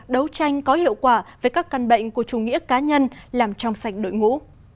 đấu tranh có hiệu quả với các căn bệnh của chủ nghĩa cá nhân làm trong sạch đội ngũ